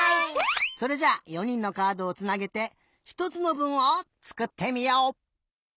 それじゃ４にんのカードをつなげてひとつのぶんをつくってみよう！